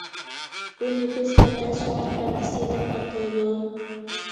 بۇ نېپىز پەردە سۆڭەك پەردىسى، دەپ ئاتىلىدۇ.